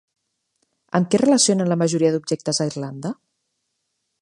Amb què es relacionen la majoria d'objectes a Irlanda?